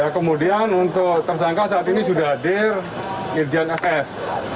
kemudian untuk tersangka saat ini sudah hadir irjen fs